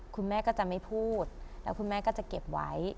คุณแม่ก็จะไม่พูดแล้วคุณแม่ก็จะเก็บไว้